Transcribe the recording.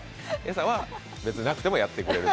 餌は別になくてもやってくれる。